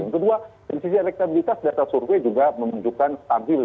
kedua dari sisi elektabilitas data survei juga menunjukkan stabil